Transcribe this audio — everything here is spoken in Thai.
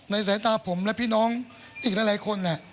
สายตาผมและพี่น้องอีกหลายคน